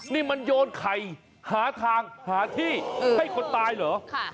นี่มันโยนไข่หาทางหาที่ให้คนตายเหรอ